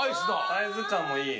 サイズ感もいい。